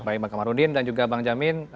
baik bang kamarudin dan juga bang jamin